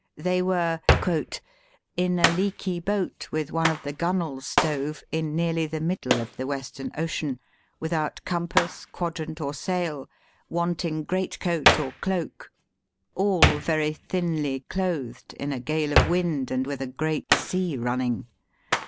They were " in a leaky boat, with one of the gunwales stove, in nearly the middle of the \Vestern Ocean ; without compass, quadrant, or sail: wanting great coat or cloak ; all very thinly clothed, in a gale of wind, and with a great sea running."